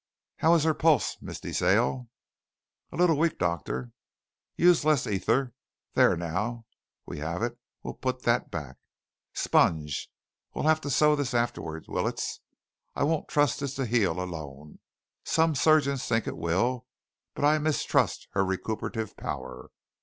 How is her pulse, Miss De Sale?" "A little weak, doctor." "Use less ether. There, now we have it! We'll put that back. Sponge. We'll have to sew this afterwards, Willets. I won't trust this to heal alone. Some surgeons think it will, but I mistrust her recuperative power.